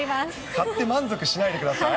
買って満足しないでください。